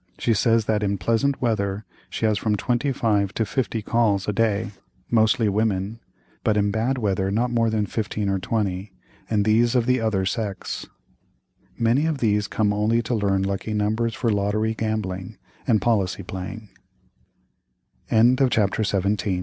She says that in pleasant weather she has from twenty five to fifty calls a day, mostly women; but in bad weather not more than fifteen or twenty, and these of the other sex. Many of these come only to learn lucky numbers for lottery gambling, and policy playing. CHAPTER XVIII. Conclusion.